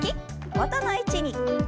元の位置に。